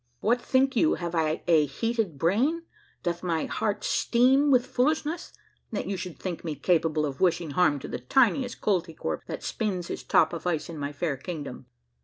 What think you, have I a heated brain, doth my heart steam with fool ishness, that you should think me capable of wishing harm to the tiniest Koltykwerp that spins his top of ice in my fair king dom